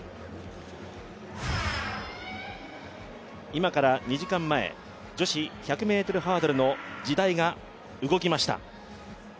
今から２時間前、女子１００ｍハードルの時代が動きました。